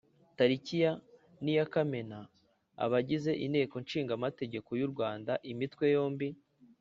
Tariki ya niya Kamena abagize Inteko Ishinga amategeko y u Rwanda imitwe yombi